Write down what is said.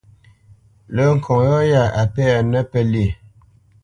Lə́ ŋkɔŋ yɔ̂ yá a pɛ́nə́ pə́lye: